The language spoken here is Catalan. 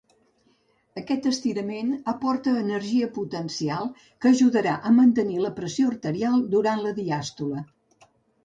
Aquest estirament aporta energia potencial que ajudarà a mantenir la pressió arterial durant la diàstole.